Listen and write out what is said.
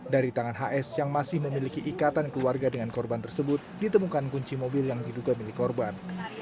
dari tangan hs yang masih memiliki ikatan keluarga dengan korban tersebut ditemukan kunci mobil yang diduga milik korban